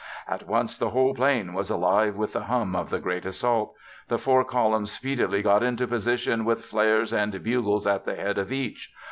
At once the whole plain was alive with the hum of the great assault. The four columns speedily got into position with flares and bugles at the head of each.